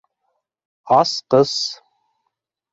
Асҡыс!